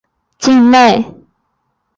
井冈山火车站即位于拿山乡境内。